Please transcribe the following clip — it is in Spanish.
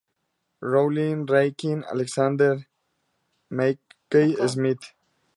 Rowling, Ian Rankin y Alexander McCall Smith.